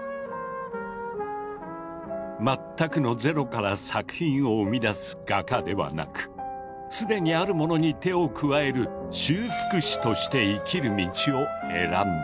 全くのゼロから作品を生み出す「画家」ではなく既にあるものに手を加える「修復師」として生きる道を選んだのだ。